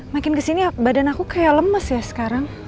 makin kesini badan aku kayak lemes ya sekarang